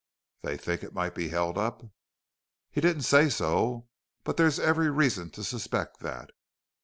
"They think it might be held up?" "He didn't say so. But there's every reason to suspect that....